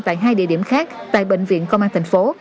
tại hai địa điểm khác tại bệnh viện công an tp hcm